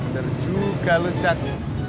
bener juga lo jak